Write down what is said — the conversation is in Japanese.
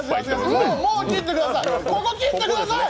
もう切ってください！